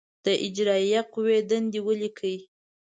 د اجرائیه قوې دندې ولیکئ.